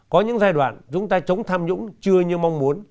có những giai đoạn chúng ta chống tham nhũng chưa như mong muốn